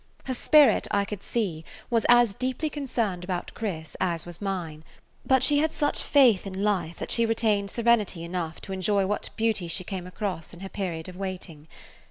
Her spirit, I could see, was as deeply concerned about Chris as was mine; but she had such faith in life that she retained serenity enough to enjoy what beauty she came across in her period of waiting.